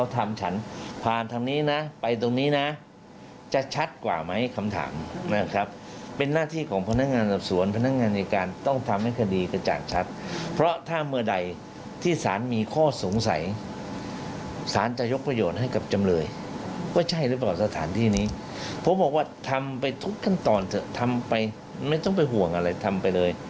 ทำไปไม่ต้องไปห่วงอะไรทำไปเลยให้เขาชี้ไปเถอะมันไม่เป็นไร